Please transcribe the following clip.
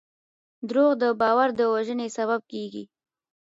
دروغ د باور د وژنې سبب کېږي.